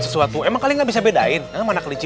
sesuatu emang kalian ga bisa bedain mana kelinci